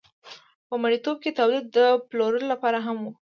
په مرئیتوب کې تولید د پلورلو لپاره هم و.